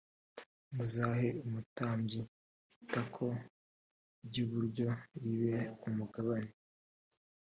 muzahe umutambyi itako ry iburyo ribe umugabane